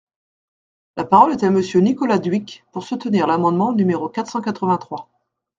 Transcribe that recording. La parole est à Monsieur Nicolas Dhuicq, pour soutenir l’amendement numéro quatre cent quatre-vingt-trois.